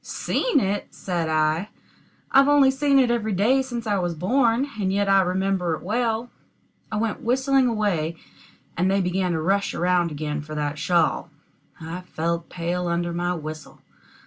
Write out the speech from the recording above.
"Seen it!" said I; "I've only seen it every day since I was born, and yet I remember it well." I went whistling away, and they began to rush around again for that shawl. I felt pale under my whistle.